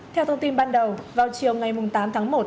theo thông tin ban đầu vào chiều ngày tám tháng một